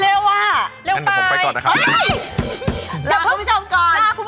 เร็วมากเลยนะครับ